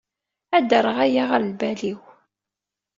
Ad d-rreɣ aya ɣer lbal-iw.